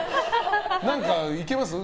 何かいけます？